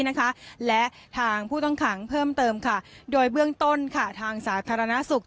นะคะและทางผู้ต้องขังเพิ่มเติมค่ะโดยเบื้องต้นค่ะทางสาธารณสุข